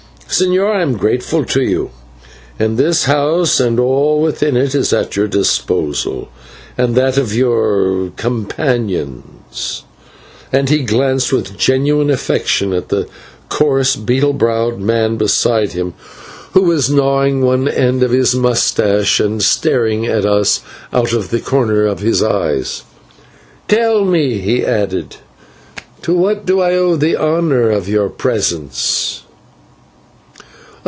Señor, I am grateful to you, and this house and all within it is at your disposal and that of your companions," and he glanced with genuine affection at the coarse beetle browed man beside him, who was gnawing one end of his moustache and staring at us out of the corners of his eyes. "Tell me," he added, "to what do I owe the honour of your presence?"